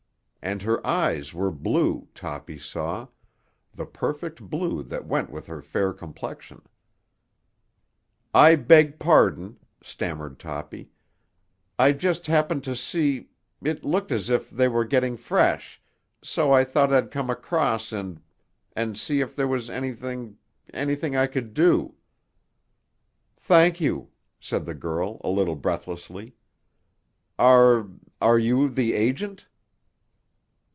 And her eyes were blue, Toppy saw—the perfect blue that went with her fair complexion. "I beg pardon," stammered Toppy. "I just happened to see—it looked as if they were getting fresh—so I thought I'd come across and—and see if there was anything—anything I could do." "Thank you," said the girl a little breathlessly. "Are—are you the agent?"